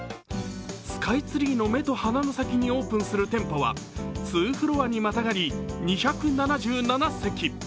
スカイツリーの目と鼻の先にオープンする店舗は２フロアにまたがり、２７７席。